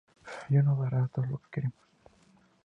Ya no nos dará lo que queremos"".